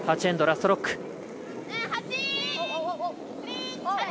８エンド、ラストロック。